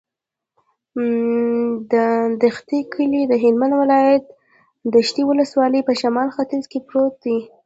د دشټي کلی د هلمند ولایت، دشټي ولسوالي په شمال ختیځ کې پروت دی.